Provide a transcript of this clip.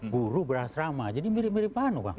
guru berhasrama jadi mirip mirip panu bang